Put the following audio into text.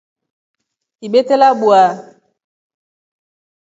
Ibite labwa.